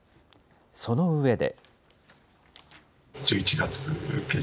その上で。